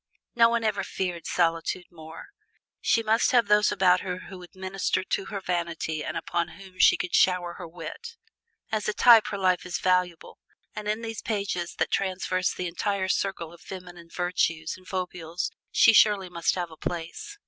No one ever feared solitude more: she must have those about her who would minister to her vanity and upon whom she could shower her wit. As a type her life is valuable, and in these pages that traverse the entire circle of feminine virtues and foibles she surely must have a place.